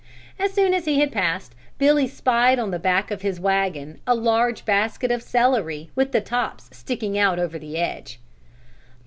As soon as he had passed, Billy spied on the back of his wagon a large basket of celery with the tops sticking out over the edge.